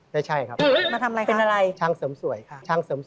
ไม่ใช่ครับเป็นอะไรช่างเสริมสวยค่ะมาทำไรคะ